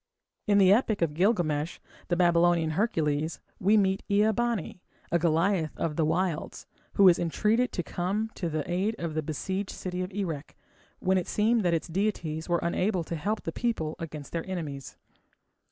In the epic of Gilgamesh, the Babylonian Hercules, we meet with Ea bani, a Goliath of the wilds, who is entreated to come to the aid of the besieged city of Erech when it seemed that its deities were unable to help the people against their enemies.